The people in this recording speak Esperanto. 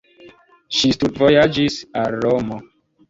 Ŝi studvojaĝis al Romo.